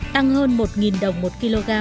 tăng hơn một đồng một kg